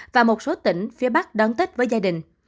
và một số tỉnh phía bắc đón tết với gia đình